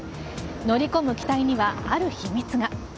乗り込む機体には、ある秘密が。